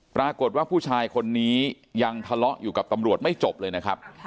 ปรากฏว่าผู้ชายคนนี้ยังทะเลาะอยู่กับตำรวจไม่จบเลยนะครับ